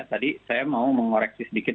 tadi saya mau mengoreksi sedikit